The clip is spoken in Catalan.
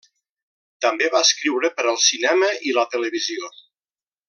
També va escriure per al cinema i la televisió.